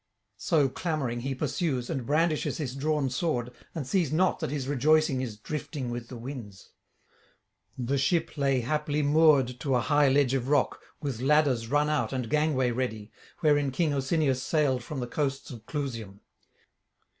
So clamouring he pursues, and brandishes his drawn sword, and sees not that his rejoicing is drifting with the winds. The ship lay haply moored to a high ledge of rock, with ladders run out and gangway ready, wherein king Osinius sailed from the coasts of Clusium.